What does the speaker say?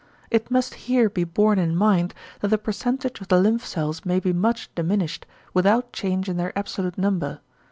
It must here be borne in mind, that the percentage of the lymph cells may be much diminished, without change in their absolute number.